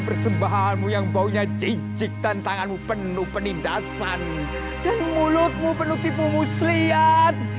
persembahanmu yang baunya cicik dan tanganmu penuh penindasan dan mulutmu penuh tipumu seliat